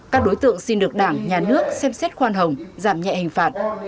các đối tượng xin được đảng nhà nước xem xét khoan hồng giảm nhẹ hình phạt